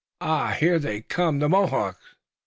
Ah, here they come! The Mohawks!"